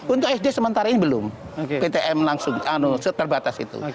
untuk sd sementara ini belum ptm langsung seterbatas itu